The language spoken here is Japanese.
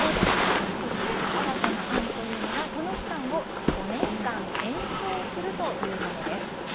そして、新たな案というのがその期間を５年間延長するというものです。